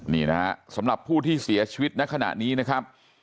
นี่นะฮะสำหรับผู้ที่เสียชีวิตในขณะนี้นะครับ